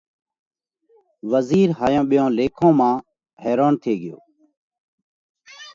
وزِير هائِيون ٻيئِيون ليکون مانه حيرونَ ٿي ڳيو۔